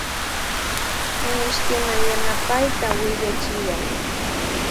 Minishtina yanapayta willachiway.